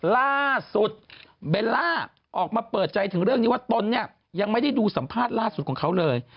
ล่าสุดเบลล่าออกมาเปิดใจถึงเรื่องนี้ว่าตนเนี่ยยังไม่ได้ดูสัมภาษณ์ล่าสุดของเขาเลย